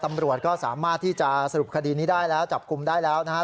ตำรวจก็สามารถที่จะสรุปคดีนี้ได้แล้วจับกลุ่มได้แล้วนะฮะ